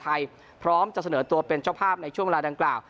พร้อมจะเสนอตัวเป็นเจ้าภาพในช่วงเวลาดังกล่าว